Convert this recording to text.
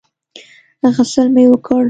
غسل مې وکړ.